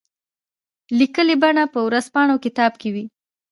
لیکلي بڼه په ورځپاڼه او کتاب کې وي.